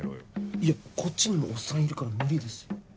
いやこっちにもおっさんいるから無理ですよ。